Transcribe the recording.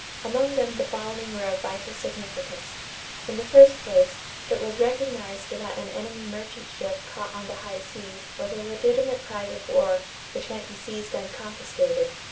Among them the following were of vital significance. In the first place, it was recognized that an enemy merchant ship caught on the high seas was a legitimate prize of war which might be seized and confiscated.